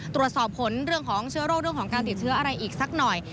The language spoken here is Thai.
ตรวจสอบผลเรื่องของเชื้อโรคเรื่องของการติดเชื้ออะไรอีกสักหน่อย